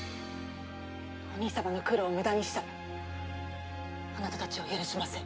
お兄様の苦労を無駄にしたらあなたたちを許しません。